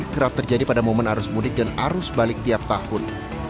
kerap terjadi pada momen arus mudik dan arus balik tiap tahun